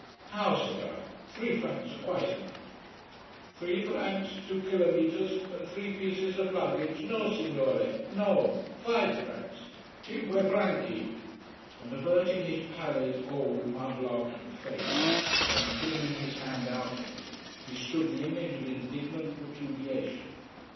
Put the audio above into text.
"How!" said I. "Three francs are quite enough." "Three francs two kilometers and three pieces of luggage! No signore. No! Five francs. Cinque franchi!" And averting his pallid, old mudlarking face, and flinging his hand out at me, he stood the image of indignant repudiation.